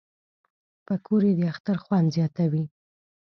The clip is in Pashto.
پکورې د اختر خوند زیاتوي